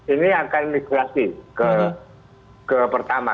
ini akan migrasi ke pertama